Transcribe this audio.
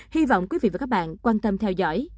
hy vọng quý vị và các bạn quan tâm theo dõi